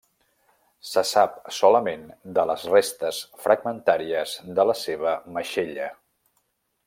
Se sap solament de les restes fragmentàries de la seva maixella.